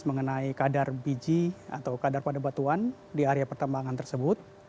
mengenai kadar biji atau kadar pada batuan di area pertambangan tersebut